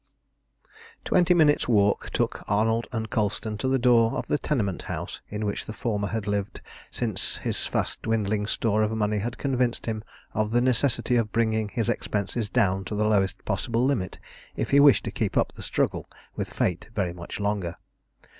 Twenty minutes' walk took Arnold and Colston to the door of the tenement house in which the former had lived since his fast dwindling store of money had convinced him of the necessity of bringing his expenses down to the lowest possible limit if he wished to keep up the struggle with fate very much longer.